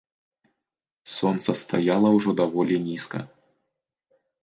Сонца стаяла ўжо даволі нізка.